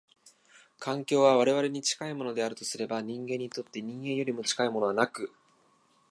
環境は我々に近いものであるとすれば、人間にとって人間よりも近いものはなく、